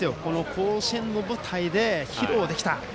甲子園の舞台で披露できた。